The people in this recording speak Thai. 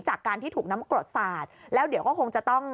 จากการที่ถูกน้ำกรดสาดแล้วเดี๋ยวก็คงจะต้อง